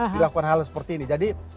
dilakukan hal seperti ini